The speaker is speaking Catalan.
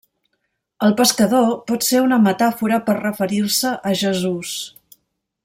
El pescador pot ser una metàfora per referir-se a Jesús.